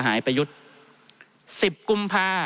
ท่านประธานครับนี่คือสิ่งที่สุดท้ายของท่านครับ